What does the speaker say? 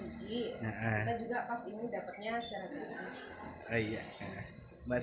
kita juga pas ini dapatnya secara gratis